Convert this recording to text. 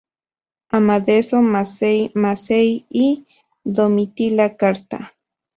Amadeo Mazzei Mazzei y Domitila Carta.